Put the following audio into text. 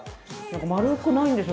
丸くないんですよ。